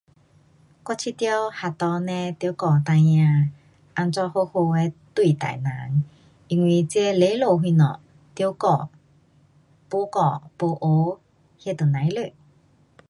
我这条合约就教孩子如何好好对待人，因为这礼貌那种需要教，不教，不学，那么就不知道